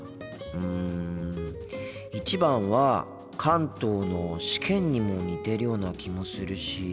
うん１番は関東の「試験」にも似てるような気もするし。